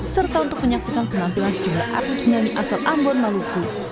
serta untuk menyaksikan penampilan sejumlah artis penyanyi asal ambon maluku